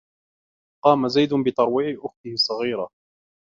قام زيد بترويع أخته الصغيرة